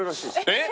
えっ？